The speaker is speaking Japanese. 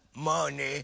まあね。